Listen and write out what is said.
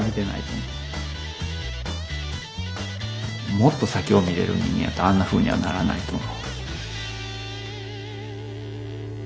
もっと先を見れる人間やったらあんなふうにはならないと思う。